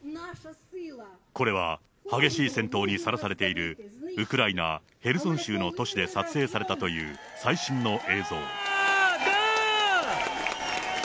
これは激しい戦闘にさらされているウクライナ・ヘルソン州の都市で撮影されたという最新の映像。